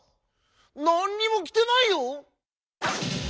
なんにもきてないよ！」。